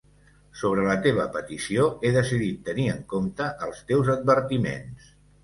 Sobre la teva petició, he decidit tenir en compte els teus advertiments.